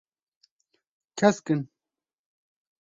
Kesk in.